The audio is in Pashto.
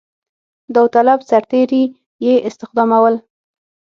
داوطلب سرتېري یې استخدامول.